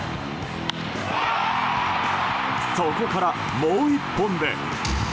そこから、もう１本で。